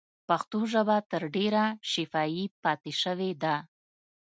پښتو ژبه تر ډېره شفاهي پاتې شوې ده.